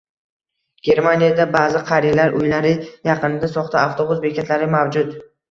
Germaniyada ba’zi qariyalar uylari yaqinida soxta avtobus bekatlari mavjud.